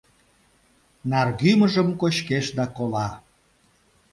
Наргӱмыжым кочкеш да кола...